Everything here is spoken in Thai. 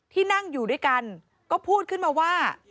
ที่นั่งอยู่ด้วยกันก็พูดขึ้นมาว่า